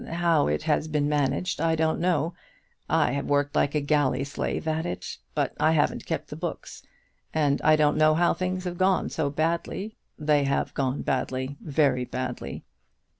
How it has been managed I don't know. I have worked like a galley slave at it, but I haven't kept the books, and I don't know how things have gone so badly. They have gone badly, very badly."